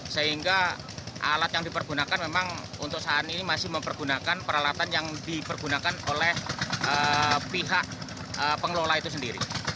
sehingga alat yang dipergunakan memang untuk saat ini masih mempergunakan peralatan yang dipergunakan oleh pihak pengelola itu sendiri